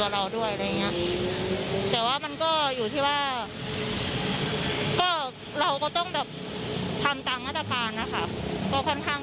เราเตรียมความพร้อมอะไรอย่างไรบ้าง